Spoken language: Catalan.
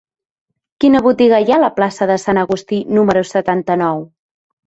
Quina botiga hi ha a la plaça de Sant Agustí número setanta-nou?